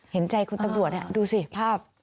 เห็นใจคุณตำรวจดูสิภาพ